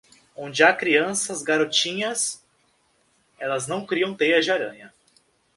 Onde há crianças, garotinhas, elas não criam teias de aranha.